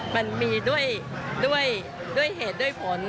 มันมีด้วยเหตุด้วยผล